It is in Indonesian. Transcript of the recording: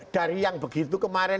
dari yang begitu kemarin